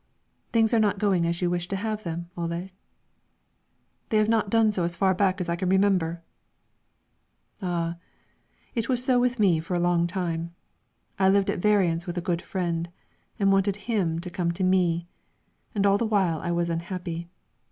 "Things are not going as you wish to have them, Ole?" "They have not done so as far back as I can remember." "Ah, so it was with me for a long time. I lived at variance with a good friend, and wanted him to come to me, and all the while I was unhappy.